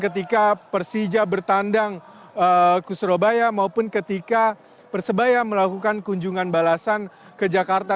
ketika persija bertandang ke surabaya maupun ketika persebaya melakukan kunjungan balasan ke jakarta